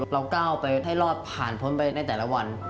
ก้าวไปให้รอดผ่านพ้นไปในแต่ละวัน